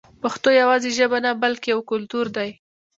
پښتو یوازې ژبه نه بلکې یو کلتور دی.